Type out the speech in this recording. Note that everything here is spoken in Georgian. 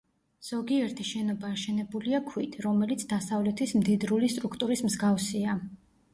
ზოგიერთი შენობა აშენებულია ქვით, რომელიც დასავლეთის მდიდრული სტრუქტურის მსგავსია.